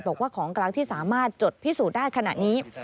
บอกว่าของกำลังที่สามารถจดพิสูจน์ได้ขนาดนี้